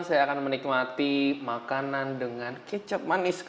saya akan menikmati makanan dengan kecap manis